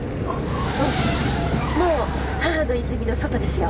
もう母之泉の外ですよ。